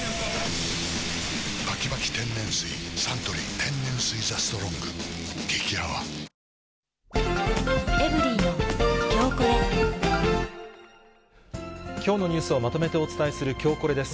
サントリー天然水「ＴＨＥＳＴＲＯＮＧ」激泡きょうのニュースをまとめてお伝えするきょうコレです。